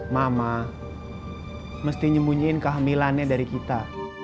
mama mesti nyembunyiin kehamilannya dari kita